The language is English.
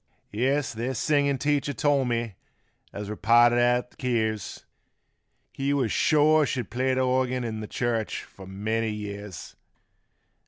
Yes, th' singin' teacher told me as we parted at th' keers, He was shore she'd play th' organ in th' church 'fore many years.